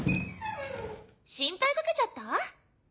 心配かけちゃった？